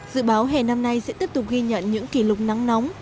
dự báo hè năm nay sẽ tiếp tục ghi nhận những kỷ lục nắng nóng